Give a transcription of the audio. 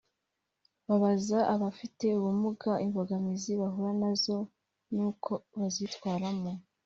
babaza abafite ubumuga imbogamizi bahura nazo n’uko bazitwaramo